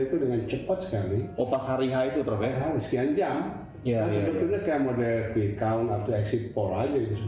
itu dengan cepat sekali opak hari itu berapa sekian jam ya sebetulnya kayak model kita